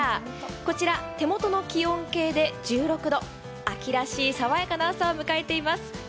こちら手元の気温計で１６度、秋らしい爽やかな朝を迎えています。